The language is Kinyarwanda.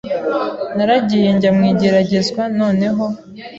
naragiye njya mu igeragezwa noneho